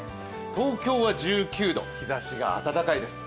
東京は１９度、日ざしが暖かいです。